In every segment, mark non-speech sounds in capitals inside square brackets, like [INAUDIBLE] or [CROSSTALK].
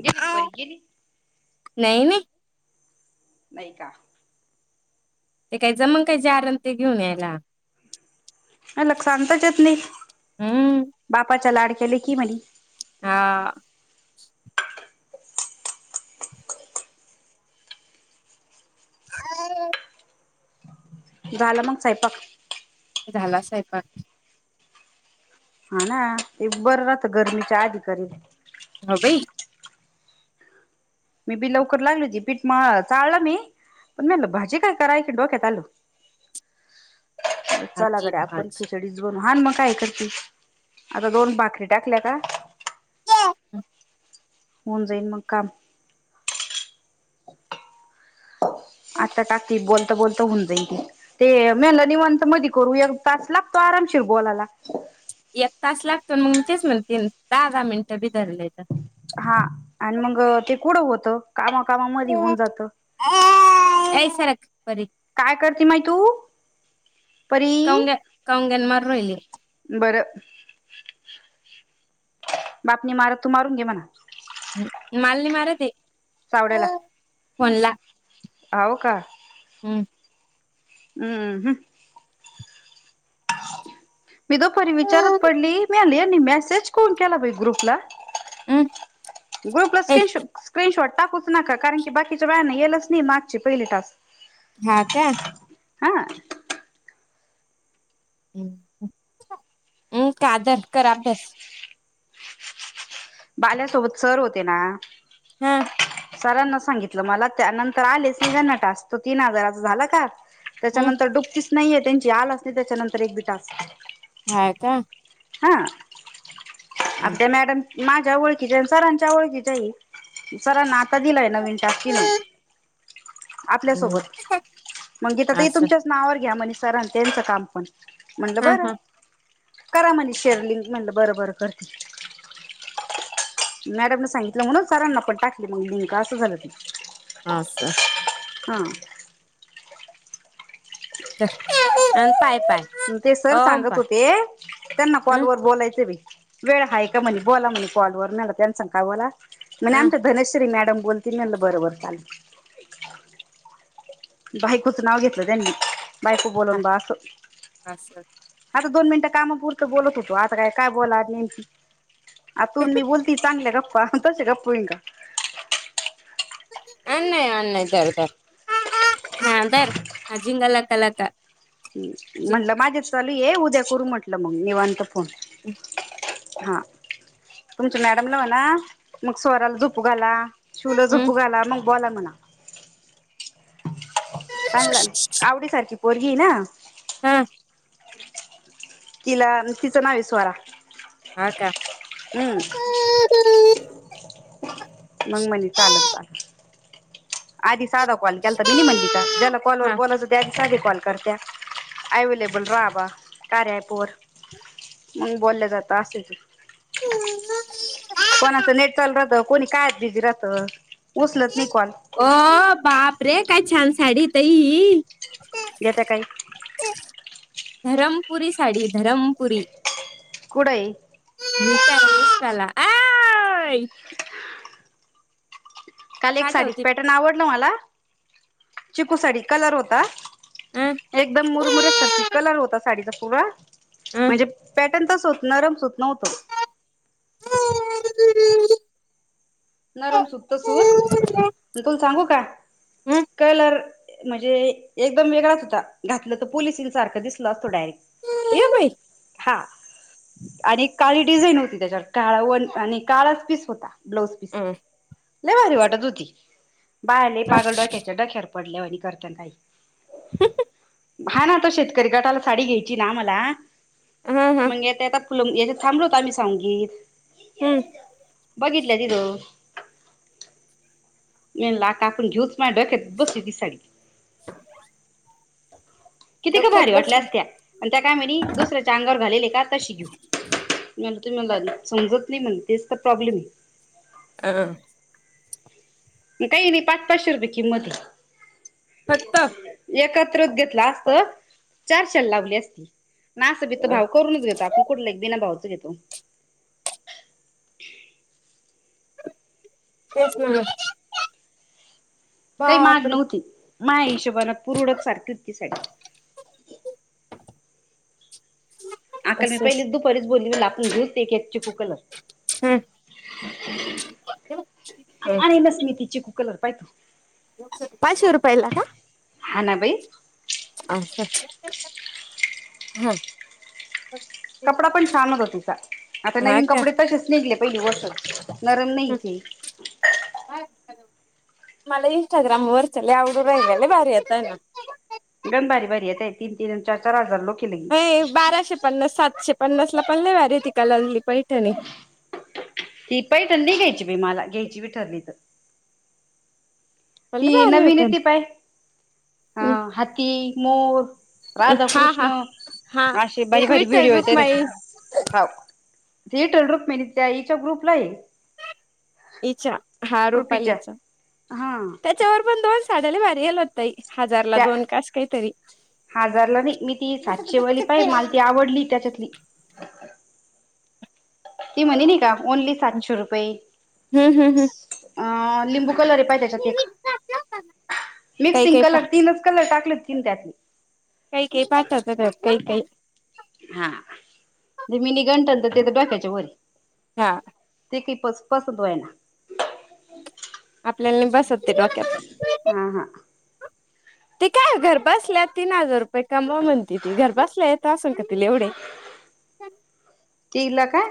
गेली का परी गेली? नाही नाही. नाही का? ते काही जमन काय जारण ते घेऊन यायला? लक्ष आणताच येत नाही, हम्म बापाच्या लाडक्या लेकी म्हणे हा [UNINTELLIGIBLE] झाला मग सयंपाक? झाला सयपाक हा ना, ते बरं राहत गरमीच्या आधी करी हो बाई मी बी लवकर लागली होती पीठ माळ चाळलं मी पण म्हणलं भाजी काय कराय ती डोक्यात आलं चला भाजी गड्या आपण भाजी खिचडीच ब हा न मग काय करती? आता दोन भाकरी टाकल्या का होऊन जाईन मग काम. ह आता टाकी बोलत बोलत होऊन जाईल. ते मेल निवंत मध करू एक तास लागतो आरा... शीव बोलाला... एक तास लागतो. मग मी तेच म्हणते दहा दहा मिनिटं बी धरलं तर, हा आणि मग ते कुढं होत, कामाकामा म होऊन जात. सार्क परीा काय करते माय तू? परी.... कौंग कौंगन मार राहिली बरं बापनी मारत तू मारून घे म्हणा..... ह मालनी मारते. सावड्याला फणला... हाव का, हम... हम्म हम... मी दुफारी विचारत पडली? मी म्हनलं यांनी मेसेज कौन केला भा ग्रुपला. ग्रु प्लस ऐ स्कन स्क्रीनशॉट., टाकूच नका कारण की बाकीच्या वेळाने येलच नाही. मागची पहिली तास हा का? हा... हम् कादर कर अभ्यास बाल्यासोबत सर होते. ना? हा सरांना सांगितलं मला, त्या नंतर आले निवना टास्क तो तीन हजाराचा झाला का? हम्म त्याच्यानंतर डुपकीच नाहीये, त्यांची आल असली त्याच्यानंतर एक बटाासते ह्या का हा आपल्या मॅडम माझ्या ओळखीच्या आहे मी. सरांच्या ओळखीचई, जरा नाता दिलंय नवीन टाकी नाही. आपल्यासोबत हम्म मगी तर असं तुमच्याच नावावर घ्या मनीष रा आणि त्यांचं काम पण, म्हणेलं हा बरं! हा करा म्हणा शेअरलिंंग म्हणलं, बरं बरं करतें. मॅडमला सांगितलं म्हणूनचं सरांना पणं टाकलें मंग, लिंक असं झालं. ते आस हा. [INAUDIBLE] ते सर ओम सांगत पाय होतें, त्यांनां हं कॉलवर बोलायचं. बाई वेळ आहे का म्हणे बोला म्हणे कॉलवरना त्यांनं संग काय बोला म्हणे, हं आमच्या धनश्री मॅडम बोलती नं बरं बर चालत बायकोच नाव घेतलं त्यांनी बायको हा बोलन बा अस--. असं आता दोन मिनिटं कामांपुरतं बोलतं होतों. आता कायं कायं बोला, नेमकी आतून मी बोलते, चांगल्या गप्पां तसे आहे. गप्पू इनका आंण नाहीं, आंण नाहीं दर घरं हा धर जिंगलकालाल का ह म्हटलं माझेच चालूं ये उद्या करू म्हटलं, मंग निवांत करूं फोन. हम् हा तुमच्यां मॅडमला म्हंणा मंग स्वराला झोपू घाला. शिवलां हं झोपू घाला, मंग बोला म्हणा? पणला आवडी सारखी पोरगी आहे नां हम किला तिचा नाही विश्वरा... [UNINTELLIGIBLE] हा का? मग मणे चालत जा, आधी साधा कॉल केलता मिनी म्हणली का, ज्याला कॉलवर हा बोलायचं होत साधे कॉल करत्या, अवेलेबल राहावा कार्या ॲप वर मग बोललं जातं असेच कोणाचं नेट चालू राहतं, कोणी काय बिझी राहतं उचलत नाही कॉल. अरे काय छान साडीे ताई ही घेता काय? धरमपुरी साडी धरमपुरी कुठंय [UNINTELLIGIBLE] काल एक साडीच पाठवते पॅटर्न आवडलं मला, चिकू साडी कलर होता. अ एकदम मुरमुऱ्यासारखी कलर होता साडीचा पुरा, अ म्हणजे पॅ अत्यंत सु नरम सुत नव्हतो. [UNINTELLIGIBLE] नरम सूत् सूत तुला सांगू का? अ कलर म्हणजे एकदम वेगळाच होता, घातलं तर पोलिसीं सारखं दिसलं असतो डायरेक्ट ये बाई हा आणि काळी डिझाईन होती त्याच्यावर काळा वन आणि काळाच पीस होता ब्लाउज अ लई भारी वाटत होती बाळाले पागल डोक्याच्या डोकंयावर पडलायवानी करत काही [UNINTELLIGIBLE] हा ना आता शेतकरी गटाला साडी घ्यायची ना मला हा हा मग ते येता येता खालून येतु तिथं संगीत हम्म बघितलं दिदो मीन ला काकून घेऊच माझ डोक्यात बसली ती साडी किती का डोक्यात भारी वाटल्या बसली असत्या आणि त्या काय म्हणी दुसऱ्याच्या अंगावर घालेले का तशी घेऊ म्हणतो मला समजत नाही तिथेच तर प्रॉब्लेम आहे हह काही नाही पाच पाचशे रुपये किमत हा फक्त त्रत घेतला असत चारशे ला लावली असती ना अस बी तर भाऊ करूनच घेतो आपण कुठले एक बी ना भाऊ घेतो त्योच म्हन काही माग नव्हती माझ्या हिशोबान पुरउडत सारखीच होती साडी [INAUDIBLE] अका ला मी असं पहिलेच दुपारीच बोललीच मला आपण घेऊ एक एक चीकु कलर हम् आणि लस नी चिकू कलर पाहि - पाचशे रुपयला का हा ना बाई [UNINTELLIGIBLE] हा कपडा पण छान होत हो तसा आता हा नवीन का कपडे तसेच निघले पहिली गोष्ट नरम नाही ती मला इंस्टाग्राम वर च ले आवडू राहिलले भारी आता ना गमबारी बारी येत तीन तीन चार चार हजार लोक लगी ये बाराशे पन्नास सातशे पन्नास ला पण ला भारी ती कलांजली पैठणी ती पैठणी नाही घ्यायची भी मला घ्यायची भी ठरली तर पण लय ती भारी नवीन येते पाय अ होत्या हाती मोर राधा हा कृष्ण हा हा अशी, बारी एक बारी विठ्ठल व्हिडिओ येताय त्याचे, रुक्माई हाव इटलरुक्मिणी त्या इच्या ग्रुपलाये. इच्या हा रुपालीच्या हा त्याच्यावर पण दोन साड्याला भारी येल होत्या ताई. हजार ला त्या दोन का अस काहीतरी हजारला नई मी ती सातशे वाली पाय मला ती आवडली त्याच्यातली. ती म्हणे नइ का ओनली सातशे रुपये. हम्म हम्म हम्म अ लिंबू कलर ये पाय त्याच्यात एक काही मिक्सिंग काही पा कलर तीनच कलर टाकले तीन त्यातले. काइ काइ पाठवतात काइ काइ हा मिनी घंटण तर ते तर डोक्यायचे वरय हा ते की पस पसत वइना [UNINTELLIGIBLE] बसत [UNINTELLIGIBLE] हा हा ते काय घर बासल्या तीन हजार रुपये कमावा म्हणते ती घर बासल्या तासल का तील एवढे? तीला काय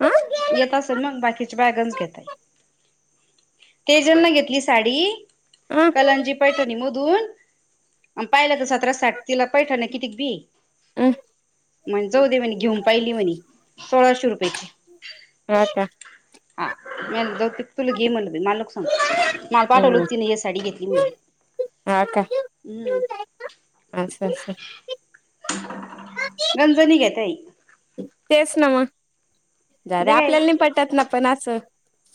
अ येत असेल मग बाकीच्या बॅगन च घेताई. तेजल न घेतली साडी कलांजी पैठणी मधून. पाहिलं त सतरा साठ तिला पैठान्या किती क बी म्हण जाऊ दे म्हणे घेऊन पइली म्हणे. सोळाशे रुपये ची. हा का [UNINTELLIGIBLE] माल पाठवल होत हम् तिने ए साडी घेतली म्हणू हा का, अस अस. गंजणी घेतय. तेच ना म दे जाऊद्या काय आपल्याला नाही पटात ना पण अस.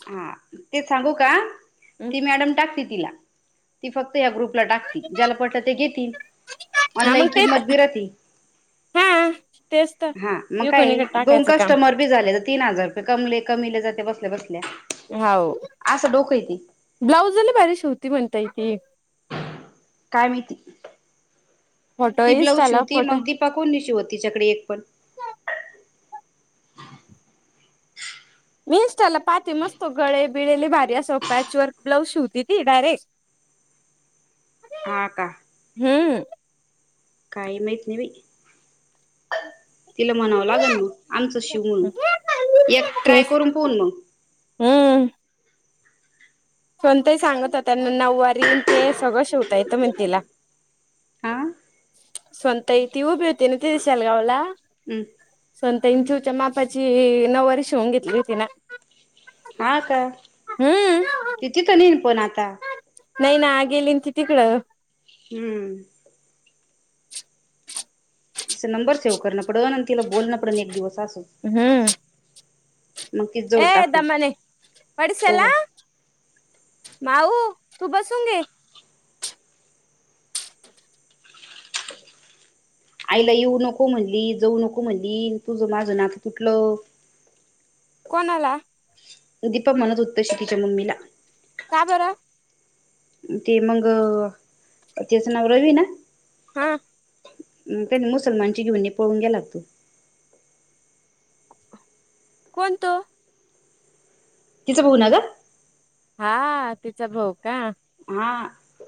हा ते सांगू का ती मॅडम टाकते तिला ती फक्त ग्रुपला टाकती ज्याला पटल ते घेतील. हा मग ऑनलाईन तेच किंमत बी रती हा तेच तर हा मग काय युकोणीकडे दोन टाकायचं काम कस्टमर बी झाले तीन हजार रूपे कमैले जाती बसल्या बसल्या. हाव असं डोकं येते ब्लाउजा लई बारी शिवतीय म्हणताय की का माहिती फोटो ती ब्लाउज इंस्टाला शिवती फोटो मग दीपा कोणी शिवत तीच्याकडे एक पण? इनस्टाला पाते मस्त गळे ली भारी अस प्याच वर्क ब्लाउज शिवती ती डायरेक्ट. हा का? हम्म. काही माहित नाही बाई. तिला म्हणाव लागण म आमचा शिव म्हणून. एक ट्राय तेच करून पऊन म संतही सांगत होताना नऊवारीन ते सगळ शिवता येत मन तिला. आ संत ईत ऊभी होतीेन ते दिशालगवला हम्म [UNINTELLIGIBLE] मापाची नववारी शिवून घेतली होती ना. हम्म. तिथे नई न पण आता. नाही ना, गेले न ते तिकड. हम्म. तिच नंबर सेव करण पडन आणि तिला बोलण पडन एक दिवस अस. हम्म. ए दमाने पडशाल आ. हो माऊ तू बसून गे. आईला येऊ नको म्हणली जाऊ नको म्हणली तुझ माझं नाक तुटलं. कोणाला? दीपक मनत होता तस तिच्या मम्मीला. का बर. ते मग त्याचं नाव रवी ना. हा. त्यांनी मुसलमानची घेऊन पळून गेला. कोणतो? तिथं बघू नाग. हा तिचा भाऊ का. हा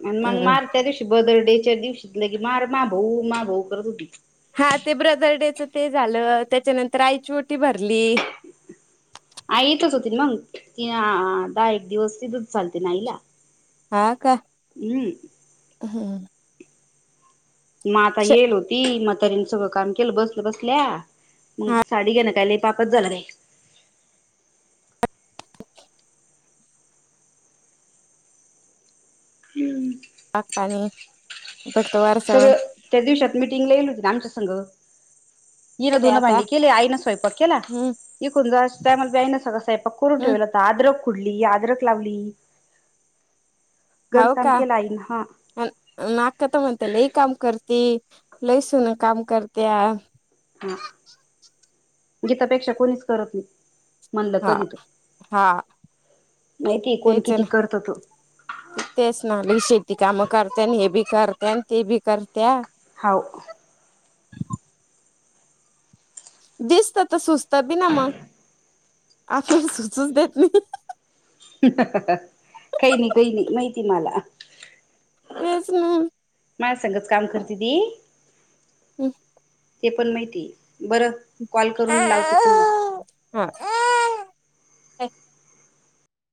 म मग हम्म. मारते दिवशी बदर्डी दिवशी की म मा भाऊ मा भाऊ करत होती. हा ते ब्रदर डेच ते झालं त्याच्यानंतर आईची ओटी भरली. आई इ तच होती मग तीन दहा एक दिवस ती दच चालते ना आईला. हा का हम्म हम्म. मग आता श येईल होती मग तरीने सगळं काम केलं बसलं बसल्या मग हा साडी घेण काले. पागल झालं र. हमम. पागपनी [UNINTELLIGIBLE] सगळं त्या दिवसात मिटिंगला येईल होती ना आमच्या संघ हनं ते दुनं आता भांडी केली आईनं स्वयंक केला हम्म इकून जा त्याईं सगळं स्व पकरून हम्म ठेवलता अदरक कुडली अदरक लावली. गंज हो काम का केलं आईन हा नाखतमतेल काम करती लैसु ना काम करत्या हा गीतापेक्षा कोणीच करत नाही. म्हणलं हा कधी तर हा माहितीय कोण तेच आहे किती करत तो ना तेच नाी शेती काम करतेय आणि हे बी करत्या आणि ते बी करत्या होाऊ. दिसत तर सुस्त बिना म आ फे सुसस देत नाही [UNINTELLIGIBLE] काही नाही काही नाही माहिती मला तेच ना. मला सगत काम करते ती हम्. ते पण माहिती बरं कॉल करून लावते पुन्हा हा